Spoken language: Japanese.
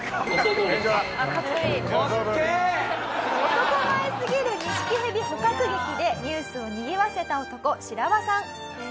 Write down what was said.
男前すぎるニシキヘビ捕獲劇でニュースをにぎわせた男シラワさん。